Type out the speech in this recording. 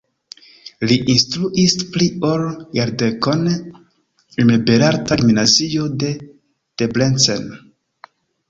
Li instruis pli ol jardekon en belarta gimnazio de Debrecen.